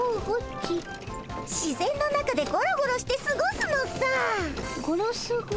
自然の中でゴロゴロしてすごすのさ。ゴロスゴ。